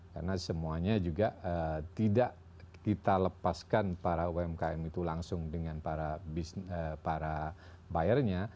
karena semuanya juga tidak kita lepaskan para umkm itu langsung dengan para buyer nya